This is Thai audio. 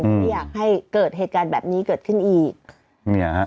อยากให้เกิดเหตุการณ์แบบนี้เกิดขึ้นอีก